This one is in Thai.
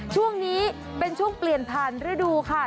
ช่วงนี้เป็นช่วงเปลี่ยนผ่านฤดูค่ะ